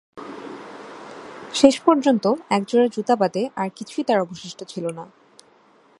শেষ পর্যন্ত এক জোড়া জুতা বাদে আর কিছুই তার অবশিষ্ট ছিল না।